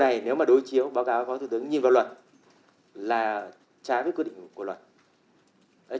cái điều này nếu mà đối chiếu báo cáo với phó thủ tướng nhìn vào luật là trái với quy định của luật